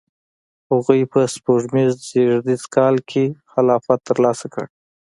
هغوی په سپوږمیز زیږدیز کال کې خلافت ترلاسه کړ.